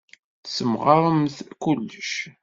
Tessemɣaremt kullec.